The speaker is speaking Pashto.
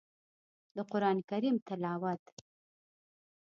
د قران کريم تلاوت